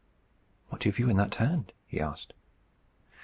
"What have you in that hand?" he asked.